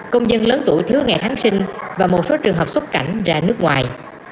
công dân lớn tuổi thứa ngày tháng sinh và một số trường hợp xúc cảnh ra nước ngoài